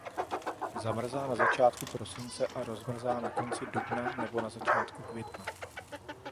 Zamrzá na začátku prosince a rozmrzá na konci dubna nebo na začátku května.